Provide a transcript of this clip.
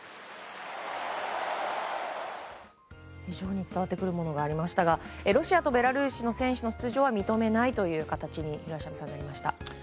非常に伝わってくるものがありましたがロシアとベラルーシの選手の出場は認めないという形になりました。